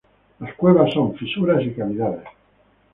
Las "cuevas" son fisuras y cavidades.